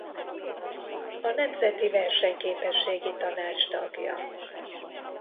A Nemzeti Versenyképességi Tanács tagja.